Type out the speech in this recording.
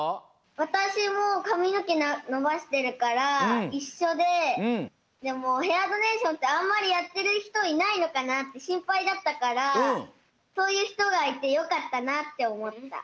わたしもかみのけのばしてるからいっしょででもヘアドネーションってあんまりやってるひといないのかなってしんぱいだったからそういうひとがいてよかったなっておもった。